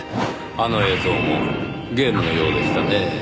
あの映像もゲームのようでしたねぇ。